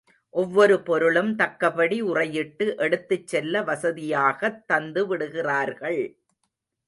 ஒவ்வொரு பொருளும் தக்கபடி உறையிட்டு எடுத்துச் செல்ல வசதியாகத் தந்துவிடுகிறார்கள்.